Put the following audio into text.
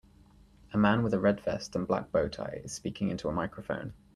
A man with a red vest and black bowtie is speaking into a microphone.